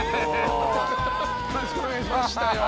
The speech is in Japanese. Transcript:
よろしくお願いします。